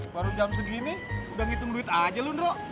baru jam segini udah ngitung duit aja lo ndro